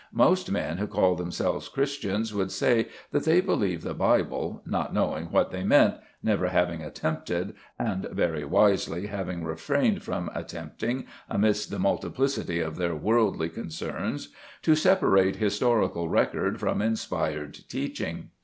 Most men who call themselves Christians would say that they believed the Bible, not knowing what they meant, never having attempted, and very wisely having refrained from attempting amidst the multiplicity of their worldly concerns, to separate historical record from inspired teaching.